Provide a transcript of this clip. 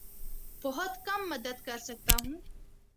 بہت کم مدد کر سکتا ہوں